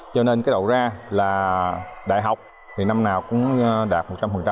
cho nên cái đầu ra là đại học thì năm nào cũng đạt một trăm linh